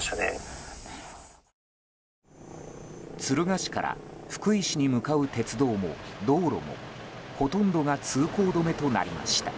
敦賀市から福井市に向かう鉄道も道路もほとんどが通行止めとなりました。